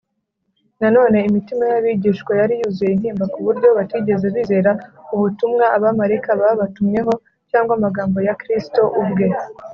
na none imitima y’abigishwa yari yuzuye intimba ku buryo batigeze bizera ubutumwa abamarayika babatumyeho cyangwa amagambo ya kristo ubwe